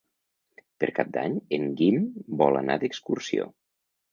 Per Cap d'Any en Guim vol anar d'excursió.